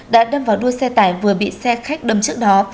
đã đâm vào đuôi xe tải vừa bị xe khách đâm trước đó